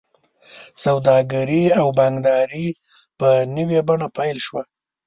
سوداګري او بانکداري په نوې بڼه پیل شوه.